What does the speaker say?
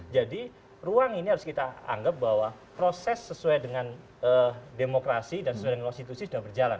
jadi ruang ini harus kita anggap bahwa proses sesuai dengan demokrasi dan sesuai dengan konstitusi sudah berjalan